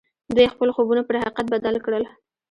دوی خپل خوبونه پر حقيقت بدل کړل.